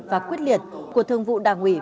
và quyết liệt của thương vụ đảng ủy